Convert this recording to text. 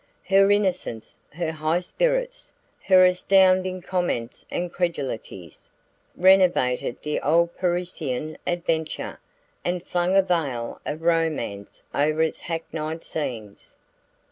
Her innocence, her high spirits, her astounding comments and credulities, renovated the old Parisian adventure and flung a veil of romance over its hackneyed scenes.